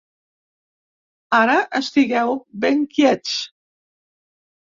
Ara, estigueu ben quiets.